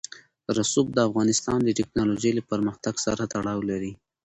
رسوب د افغانستان د تکنالوژۍ له پرمختګ سره تړاو لري.